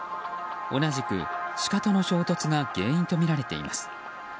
同じくシカとの衝突が原因とみられています。